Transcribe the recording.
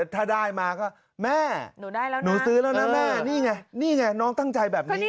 ถ้าได้มาก็แม่หนูซื้อแล้วนะนี่ไงน้องตั้งใจแบบนี้